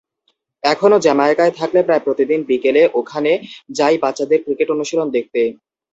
এখনো জ্যামাইকায় থাকলে প্রায় প্রতিদিন বিকেলে ওখানে যাই বাচ্চাদের ক্রিকেট অনুশীলন দেখতে।